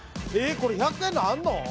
これ１００円のあるの？